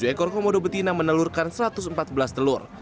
tujuh ekor komodo betina menelurkan satu ratus empat belas telur